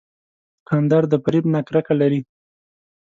دوکاندار د فریب نه کرکه لري.